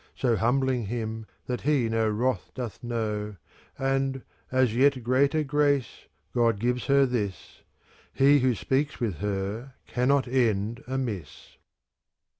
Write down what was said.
So humbling him that he no wrath doth know, *" And, as yet greater grace, God gives her this ; He who speaks with her cannot end amiss.